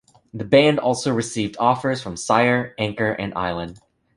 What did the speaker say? The band also received offers from Sire, Anchor and Island.